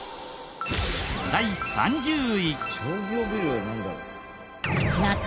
第３０位。